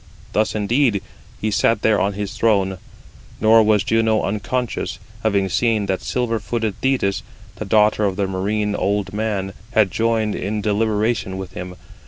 Thus indeed he sat there on his throne; nor was Juno unconscious, having seen that silver footed Thetis, the daughter of the marine old man, had joined in deliberation with him.